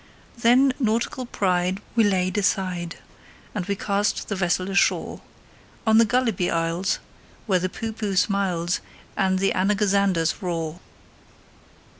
Then nautical pride we laid aside, And we cast the vessel ashore On the Gulliby Isles, where the Poohpooh smiles, And the Anagazanders roar.